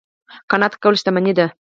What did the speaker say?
قناعت کول شتمني ده